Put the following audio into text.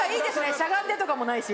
しゃがんでとかもないし。